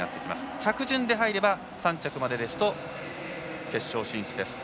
着順で入れば３着までですと決勝進出です。